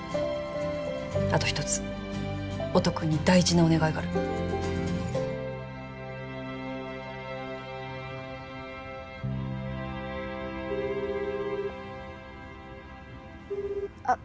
あと一つ音くんに大事なお願いがあるあっ